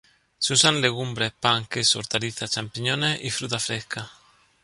Se usan legumbres, pan, queso, hortalizas, champiñones y fruta fresca.